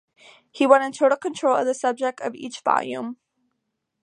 He wanted total control of the subject of each volume.